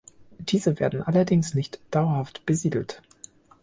Diese werden allerdings nicht dauerhaft besiedelt.